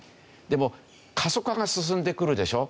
でも過疎化が進んでくるでしょ。